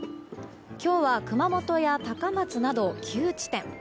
今日は熊本や高松など９地点。